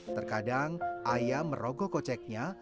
terkadang ayah merogoh koceknya